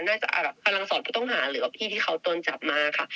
พลังสอนผู้ต้องหาหรือว่าพี่ที่เขาโดนจับมาค่ะ